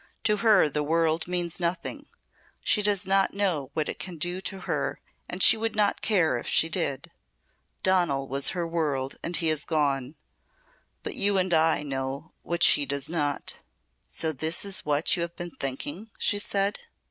To her the world means nothing. She does not know what it can do to her and she would not care if she did. Donal was her world and he is gone. But you and I know what she does not." "So this is what you have been thinking?" she said.